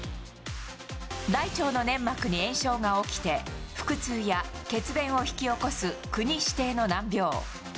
大腸の粘膜に炎症が起きて、腹痛や血便を引き起こす国指定の難病。